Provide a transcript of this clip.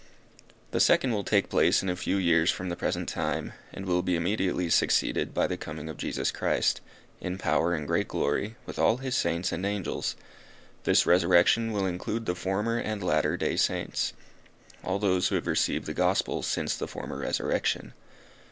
The second will take place in a few years from the present time, and will be immediately succeeded by the coming of Jesus Christ, in power and great glory, with all his Saints and Angels. This resurrection will include the Former and Latter day Saints all those who have received the Gospel since the former resurrection.